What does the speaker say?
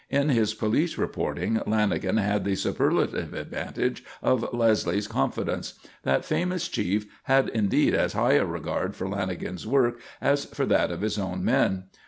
In his police reporting Lanagan had the superlative advantage of Leslie's confidence. That famous chief had indeed as high a regard for Lanagan's work as for that of his own men.